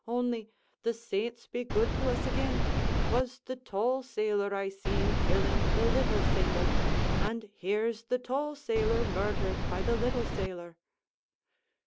only the saints be good to us again! 'twas the tall sailor I seen killing the little sailor, and here's the tall sailor murthered by the little sailor."